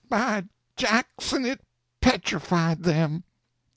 _" By Jackson, it petrified them!